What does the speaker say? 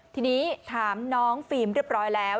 ทีนี้ถามน้องฟิล์มเรียบร้อยแล้ว